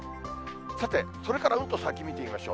さて、それからうんと先見てみましょう。